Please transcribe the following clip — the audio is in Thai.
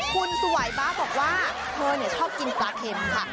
คุณสวัยบ้าบอกว่าเธอชอบกินปลาเข็มค่ะ